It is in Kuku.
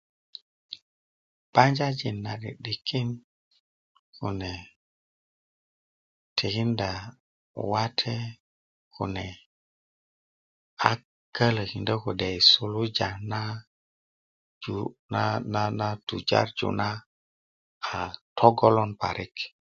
Banjajin na'di'dikin kune tikinda wate kune ak kölökindö kode' suluja na tujarju na a togolon parik